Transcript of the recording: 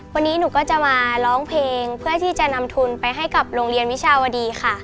วันนี้หนูก็จะมาร้องเพลงเพื่อที่จะนำทุนไปให้กับโรงเรียนวิชาวดีค่ะ